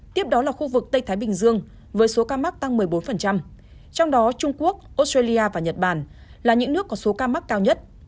tiếp đó là khu vực tây thái bình dương với số ca mắc tăng một mươi bốn trong đó trung quốc australia và nhật bản là những nước có số ca mắc cao nhất